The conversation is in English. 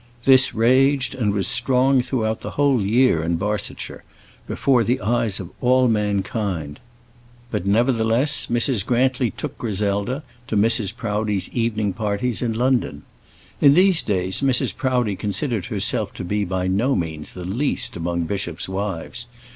This raged and was strong throughout the whole year in Barsetshire, before the eyes of all mankind. But, nevertheless, Mrs. Grantly took Griselda to Mrs. Proudie's evening parties in London. In these days Mrs. Proudie considered herself to be by no means the least among bishops' wives.